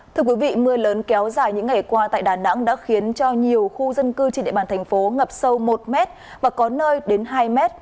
thưa quý vị mưa lớn kéo dài những ngày qua tại đà nẵng đã khiến cho nhiều khu dân cư trên địa bàn thành phố ngập sâu một m và có nơi đến hai m